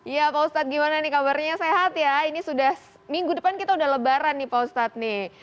ya pak ustadz bagaimana kabarnya sehat ya minggu depan kita sudah lebaran nih pak ustadz